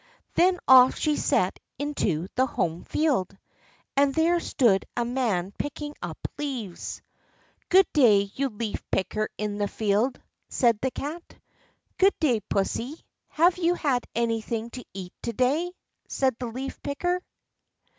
Then off she set into the home field, and there stood a man picking up leaves. "Good day, you leaf picker in the field," said the Cat. "Good day, pussy; have you had anything to eat to day?" said the leaf picker.